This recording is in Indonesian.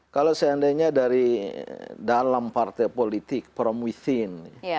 kalau seandainya dari dalam partai politik from within